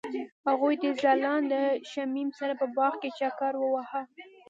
هغوی د ځلانده شمیم سره په باغ کې چکر وواهه.